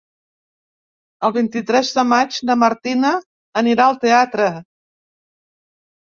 El vint-i-tres de maig na Martina anirà al teatre.